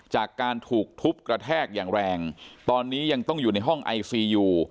จากการถูกทุบกระแทกอย่างแรงตอนนี้ยังต้องอยู่ในห้องไอซียู